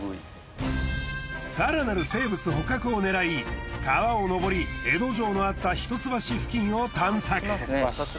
更なる生物捕獲を狙い川を上り江戸城のあった一ツ橋付近を探索。